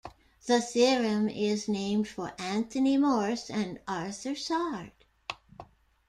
The theorem is named for Anthony Morse and Arthur Sard.